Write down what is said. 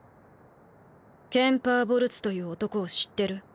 ケンパー・ボルツという男を知ってる？